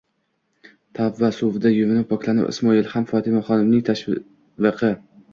tavba suvida yuvinib, poklanib, Ismoil ham Fotimaxonimning tashviqi